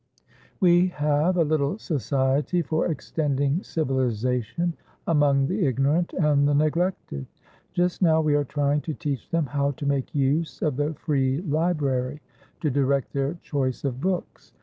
"We have a little society for extending civilisation among the ignorant and the neglected. Just now we are trying to teach them how to make use of the free library, to direct their choice of books.